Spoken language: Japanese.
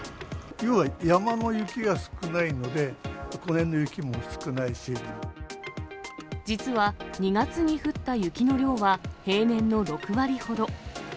要は山の雪が少ないので、実は２月に降った雪の量は、平年の６割ほど。